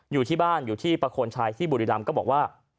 อยู่ที่บ้านอยู่ที่ประโคนชัยที่บุรีรำก็บอกว่า